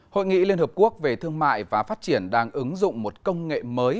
hội nghị liên hợp quốc về thương mại và phát triển đang ứng dụng một công nghệ mới